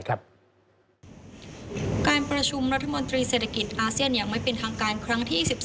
การประชุมรัฐมนตรีเศรษฐกิจอาเซียนอย่างไม่เป็นทางการครั้งที่๒๒